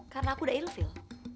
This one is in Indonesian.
karena aku udah ilfil